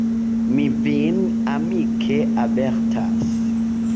Mi vin amike avertas.